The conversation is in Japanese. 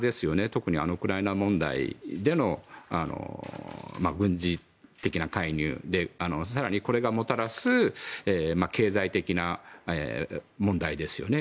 特にウクライナ問題での軍事的な介入で更に、これがもたらす経済的な問題ですよね。